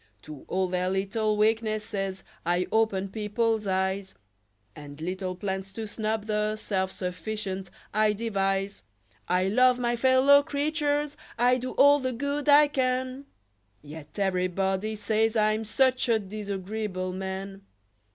To all their little weaknesses I open people's eyes And little plans to snub the self sufficient I devise; I love my fellow creatures I do all the good I can Yet everybody say I'm such a disagreeable man!